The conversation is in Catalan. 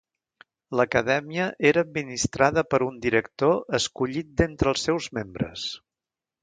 L'Acadèmia era administrada per un director escollit d'entre els seus membres.